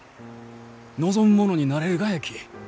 望む者になれるがやき。